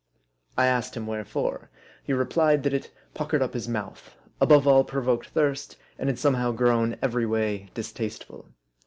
I asked him wherefore. He re plied that it puckered up his mouth, above all provoked thirst, and had somehow grown every way distasteful.